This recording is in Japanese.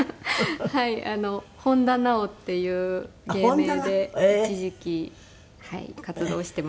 本田なおっていう芸名で一時期活動してました。